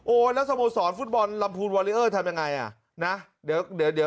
โอ๊ยแล้วสโมสรฟุตบอลลำพูนวอเรียร์ทำยังไง